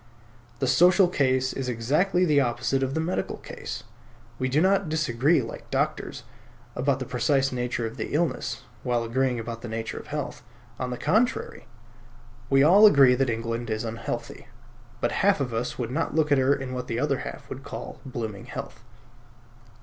The social case is exactly the opposite of the medical case. We do not disagree, like doctors, about the precise nature of the illness, while agreeing about the nature of health. On the contrary, we all agree that England is unhealthy, but half of us would not look at her in what the other half would call blooming health.